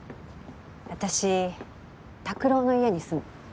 私拓郎の家に住む。